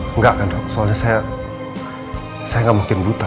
tidak dok soalnya saya tidak mungkin buta